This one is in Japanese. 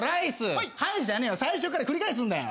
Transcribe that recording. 「はい」じゃねえよ最初から繰り返すんだよ。